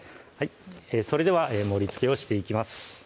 それでは盛りつけをしていきます